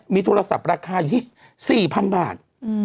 มีโทรศัพท์ราคาอยู่ที่๔๐๐๐บาท